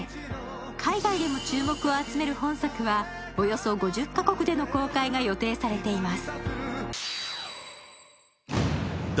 海外でも注目を集める本作は、およそ５０か国での公開が予定されています。